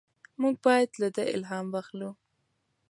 موږ باید له ده الهام واخلو.